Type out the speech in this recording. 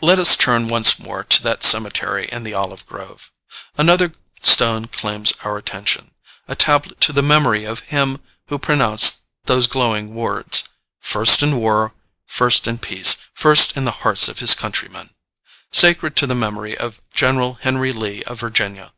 Let us turn once more to that cemetery in the olive grove. Another stone claims our attention, a tablet to the memory of him who pronounced those glowing words, "First in war, first in peace, first in the hearts of his countrymen:" "Sacred to the memory of Gen. Henry Lee of Virginia.